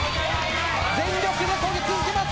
全力でこぎ続けます。